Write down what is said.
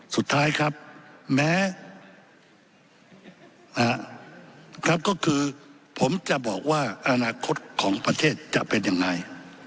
สุดท้ายครับแม้ครับก็คือผมจะบอกว่าอนาคตของประเทศจะเป็นยังไง